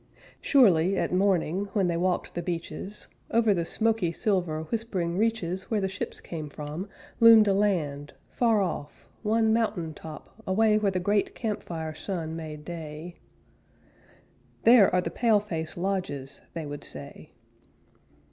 Surely, at morning, when they walked the beaches, Over the smoky silver, whispering reaches, Where the ships came from, loomed a land, Far off, one mountain top, away Where the great camp fire sun made day: "There are the pale face lodges," they would say.